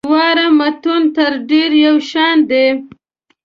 دواړه متون تر ډېره یو شان دي.